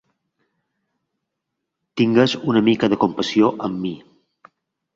Tingues una mica de compassió amb mi!